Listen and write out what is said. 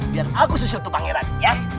biar aku sesuatu pangeran ya